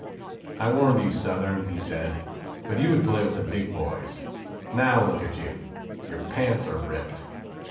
"I warned you, Southern," he said, "but you would play with the big boys. Now, look at you your pants are ripped."